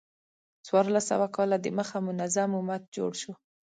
څوارلس سوه کاله د مخه منظم امت جوړ شو.